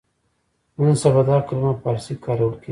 نن سبا دا کلمه په فارسي کې کارول کېږي.